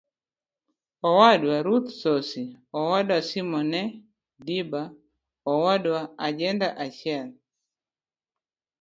Owadwa Ruth Sosi Owadwa Shimone Diba Owadwa Ajenda-achiel.